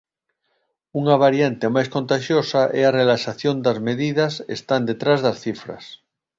Unha variante máis contaxiosa e a relaxación das medidas están detrás das cifras.